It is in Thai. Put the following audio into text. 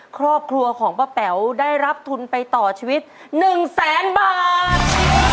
ครอบครัวของป้าแป๋วได้รับทุนไปต่อชีวิต๑แสนบาท